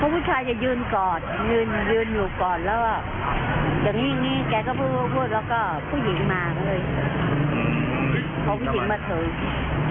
พวกผู้หญิงมาก็เลยพวกผู้หญิงมาเถิด